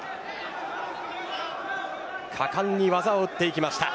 果敢に技を打っていきました。